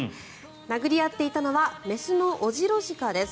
殴り合っていたのは雌のオジロジカです。